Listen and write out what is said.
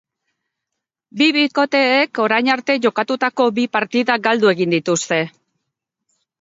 Bi bikoteek oerainarte jokatutako bi partidak galdu egin dituzte.